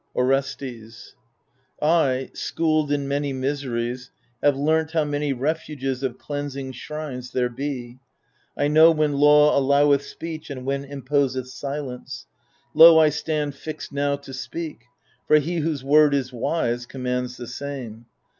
Orestes I, schooled in many miseries, have learnt How many refuges of cleansing shrines There be ; I know when law alloweth speech And when imposeth silence. Lo, I stand Fixed now to speak, for he whose word is wise Commands the same.